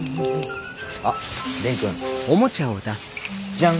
じゃん！